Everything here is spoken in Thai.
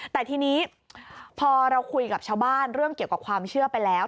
แต่ทีนี้พอเราคุยกับชาวบ้านเรื่องเกี่ยวกับความเชื่อไปแล้ว